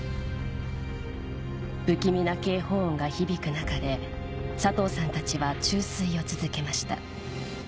不気味な警報音が響く中で佐藤さんたちは注水を続けました